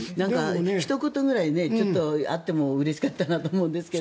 ひと言ぐらいあってもうれしかったなと思うんですが。